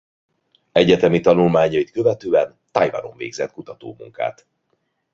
Egyetemi tanulmányait követően Tajvanon végezett kutatómunkát.